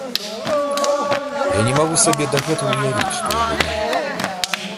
Я не магу сабе дагэтуль уявіць, што яго няма.